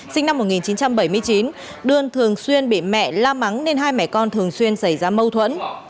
sinh năm một nghìn chín trăm bảy mươi chín đơn thường xuyên bị mẹ la mắng nên hai mẹ con thường xuyên xảy ra mâu thuẫn